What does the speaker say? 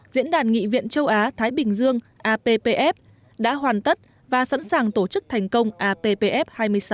diễn đàn nghị viện châu á thái bình dương appf đã hoàn tất và sẵn sàng tổ chức thành công appf hai mươi sáu